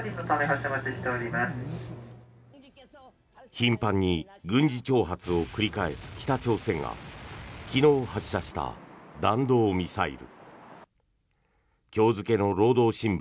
頻繁に軍事挑発を繰り返す北朝鮮が昨日発射した弾道ミサイル。